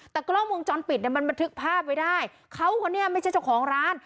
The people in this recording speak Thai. แต่กล้องวงจรปิดเนี่ยมันบันทึกภาพไว้ได้เขาคนนี้ไม่ใช่เจ้าของร้าน